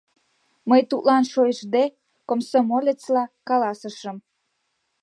Мый тудлан шойыштде, комсомолецла каласышым.